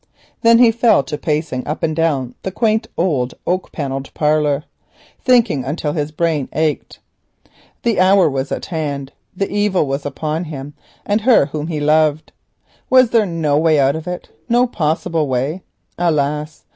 Then he fell to pacing up and down the quaint old oak panelled parlour, thinking until his brain ached. The hour was at hand, the evil was upon him and her whom he loved. Was there no way out of it, no possible way? Alas!